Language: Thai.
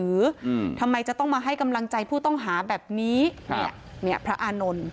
อืมทำไมจะต้องมาให้กำลังใจผู้ต้องหาแบบนี้เนี่ยพระอานนท์